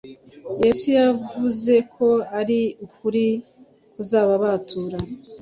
Yesu yavuze ko ari ukuri kuzatubatura